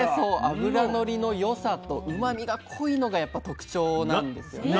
脂のりの良さとうまみが濃いのがやっぱ特徴なんですよね。